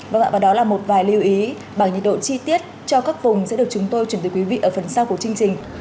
vâng ạ và đó là một vài lưu ý bằng nhiệt độ chi tiết cho các vùng sẽ được chúng tôi chuyển tới quý vị ở phần sau của chương trình